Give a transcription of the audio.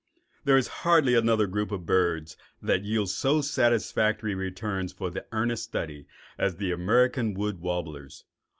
There is hardly another group of birds that yields so satisfactory returns for earnest study as the American wood warblers.